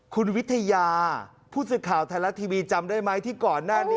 คุณวิทยาผู้สื่อข่าวไทยรัฐทีวีจำได้ไหมที่ก่อนหน้านี้